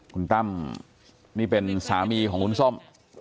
คุณตั้มนี่เป็นสามีของคุณส้ม